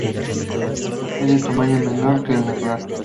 Es de tamaño menor que el natural.